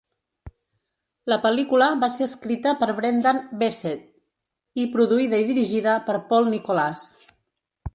La pel·lícula va ser escrita per Brendan Beseth, i produïda i dirigida per Paul Nicolas.